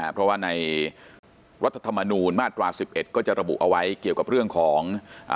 เพราะว่าในรัฐธรรมนูญมาตรา๑๑ก็จะระบุเอาไว้เกี่ยวกับเรื่องของ